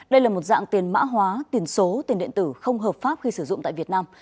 đây là một dạng tiền mã hóa tiền số tiền điện tử không hợp pháp khi sử dụng tại việt nam